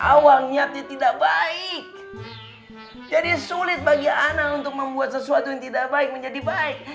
awang niatnya tidak baik jadi sulit bagi anak untuk membuat sesuatu yang tidak baik menjadi baik